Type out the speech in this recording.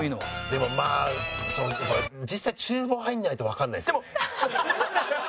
でもまあ実際厨房入らないとわかんないですね。